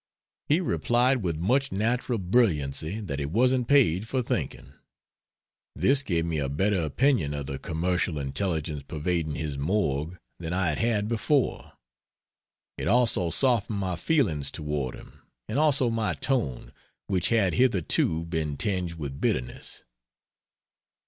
He replied with much natural brilliancy that he wasn't paid for thinking. This gave me a better opinion of the commercial intelligence pervading his morgue than I had had before; it also softened my feelings toward him, and also my tone, which had hitherto been tinged with bitterness.